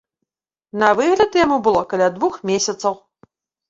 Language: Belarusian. На выгляд яму было каля двух месяцаў.